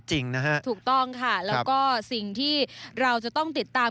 จริงนะฮะถูกต้องค่ะแล้วก็สิ่งที่เราจะต้องติดตาม